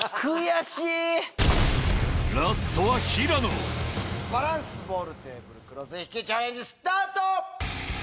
ラストはバランスボールテーブルクロス引きチャレンジスタート！